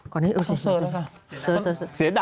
ก่อนนี้